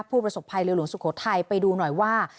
ผู้ประสบภัยเรือหลวงสุโขทัยไปดูหน่อยว่า